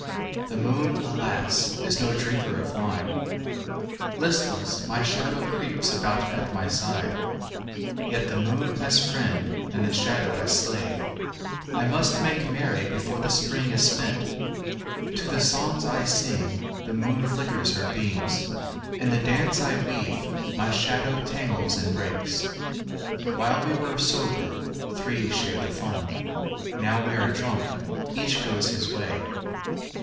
The moon, alas, is no drinker of wine; Listless, my shadow creeps about at my side. Yet with the moon as friend and the shadow as slave I must make merry before the Spring is spent. To the songs I sing the moon flickers her beams; In the dance I weave my shadow tangles and breaks. While we were sober, three shared the fun; Now we are drunk, each goes his way.